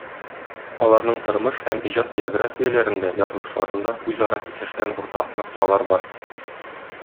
Аларның тормыш һәм иҗат биографияләрендә, язмышларында үзара кисешкән уртак нокталар бар.